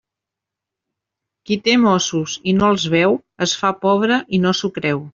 Qui té mossos i no els veu, es fa pobre i no s'ho creu.